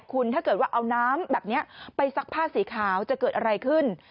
คุณถ้าเกิดว่าเอาน้ำแบบนี้ไปซักผ้าสีขาวจะเกิดอะไรขึ้น